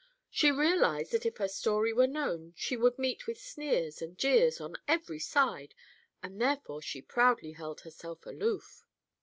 She realized that were her story known she would meet with sneers and jeers on every side, and therefore she proudly held herself aloof."